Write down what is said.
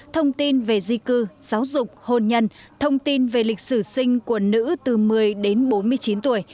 thông tin về di cư giáo dục hôn nhân thông tin về lịch sử sinh của nữ từ một mươi đến bốn mươi chín tuổi